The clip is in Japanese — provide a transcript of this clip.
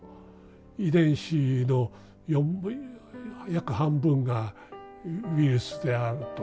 遺伝子の４分約半分がウイルスであると。